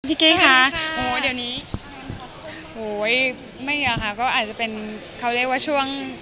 กี้ค่ะโอ้เดี๋ยวนี้โหยไม่เยอะค่ะก็อาจจะเป็นเขาเรียกว่าช่วง